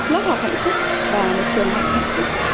lớp học hạnh phúc và trường học hạnh phúc